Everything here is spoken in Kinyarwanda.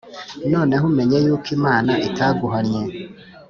noneho umenye yuko imana itaguhannye